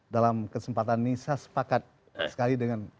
dalam kesempatan ini saya sepakat sekali dengan mas jendral